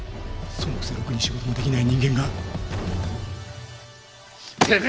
そのくせろくに仕事もできない人間が。